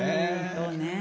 そうね。